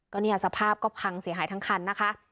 ก็เนี่ยสภาพก็พังเสียหายทั้งคันนะคะ